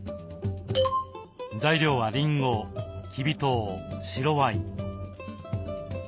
材料はりんごきび糖白ワイン。